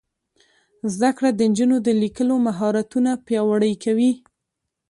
زده کړه د نجونو د لیکلو مهارتونه پیاوړي کوي.